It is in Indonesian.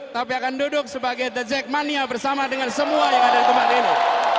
tapi akan duduk sebagai the jackmania bersama dengan semua yang ada di tempat ini